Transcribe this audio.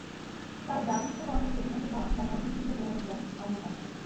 তাই ডায়েটিশিয়ানের পরামর্শে প্রশান্ত সাওয়ান্ত নামে একজন ফিটনেস ট্রেইনারের কাছে যান আদনান সামি।